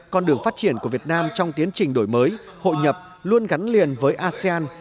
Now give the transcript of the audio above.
con đường phát triển của việt nam trong tiến trình đổi mới hội nhập luôn gắn liền với asean